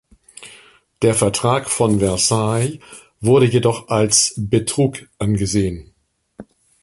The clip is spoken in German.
Der Vertrag von Versailles wurde jedoch als Betrug angesehen.